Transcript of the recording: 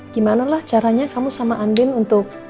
gimana lah caranya kamu sama andin untuk